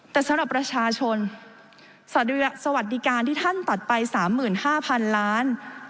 แต่สำหรับประชาชนสวัสดิการที่ท่านตัดไป๓๕๐๐๐ล้าน